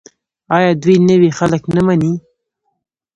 آیا دوی نوي خلک نه مني؟